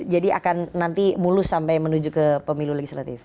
jadi akan nanti mulus sampai menuju ke pemilu legislatif